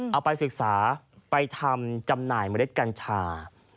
เอาไปศึกษาไปทำจำหน่ายเมล็ดกัญชา